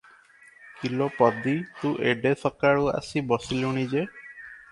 "କି ଲୋ ପଦୀ! ତୁ ଏଡେ ସକାଳୁ ଆସି ବସିଲୁଣି ଯେ?"